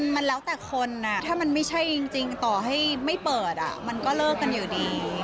มันแล้วแต่คนถ้ามันไม่ใช่จริงต่อให้ไม่เปิดมันก็เลิกกันอยู่ดี